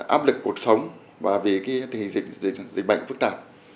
áp lực cuộc sống và vì cái dịch bệnh phức tạp